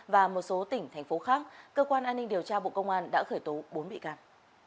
và một số tỉnh thành phố khác cơ quan an ninh điều tra bộ công an đã khởi tố bốn bị can